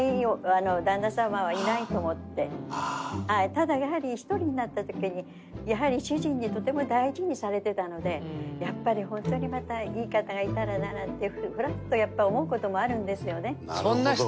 ただやはり１人になった時にやはり主人にとても大事にされてたのでやっぱりホントにまたいい方がいたらななんてフラッとやっぱ思う事もあるんですよね。